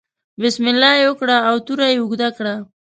بسم الله یې وکړه او توره یې اوږده کړه.